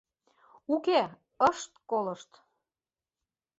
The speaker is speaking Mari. Уке, ышт колышт...